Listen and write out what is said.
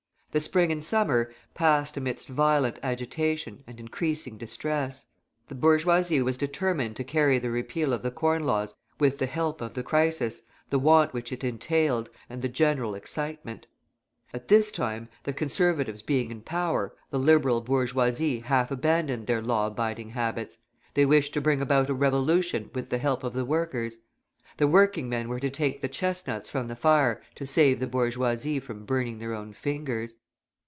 The spring and summer passed amidst violent agitation and increasing distress. The bourgeoisie was determined to carry the repeal of the Corn Laws with the help of the crisis, the want which it entailed, and the general excitement. At this time, the Conservatives being in power, the Liberal bourgeoisie half abandoned their law abiding habits; they wished to bring about a revolution with the help of the workers. The working men were to take the chestnuts from the fire to save the bourgeoisie from burning their own fingers.